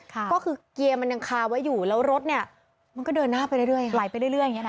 ก็คือเกียร์มันยังคาไว้อยู่แล้วรถเนี่ยมันก็เดินหน้าไปเรื่อยไหลไปเรื่อยอย่างเงี้นะ